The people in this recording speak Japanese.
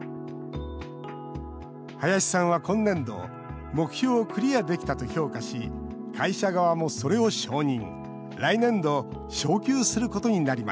林さんは今年度目標をクリアできたと評価し会社側もそれを承認。